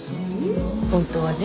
本当はね。